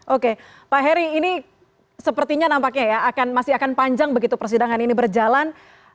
oke pak heri ini sepertinya nampaknya ya masih akan panjang begitu persidangan ini berjalan